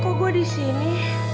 kok gue di sini